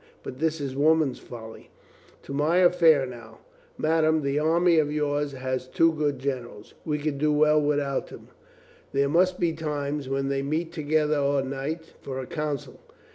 But this is woman's folly. To my affair now. Madame, this army of yours has too good generals. We could do well without them. There LUCINDA AGAIN AN INSPIRATION 335 must be times when they meet together o' nights for a council.